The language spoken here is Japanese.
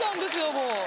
もう。